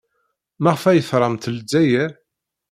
Maɣef ay tramt Lezzayer?